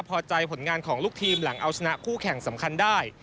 พอใจผลงานของลูกทีมหลังเอาชนะคู่แข่งสำคัญได้